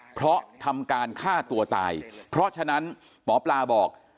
เพราะทำการฆ่าตัวตายเพราะฉะนั้นหมอปลาบอก